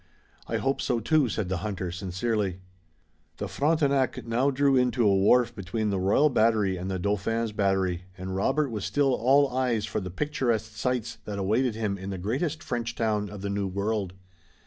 "I hope so too," said the hunter sincerely. The Frontenac now drew in to a wharf between the Royal Battery and the Dauphin's Battery, and Robert was still all eyes for the picturesque sights that awaited him in the greatest French town of the New World.